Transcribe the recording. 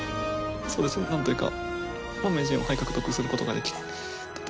そうですねなんというか。